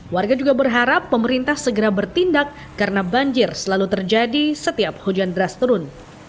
warga juga berharap pemerintah segera bertindak karena banjir selalu terjadi setiap hujan deras turun